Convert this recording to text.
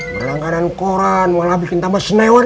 berlangganan koran walau bikin tambah senewan